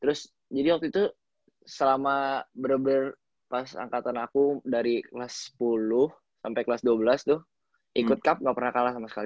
terus jadi waktu itu selama bener bener pas angkatan aku dari kelas sepuluh sampai kelas dua belas tuh ikut cup gak pernah kalah sama sekali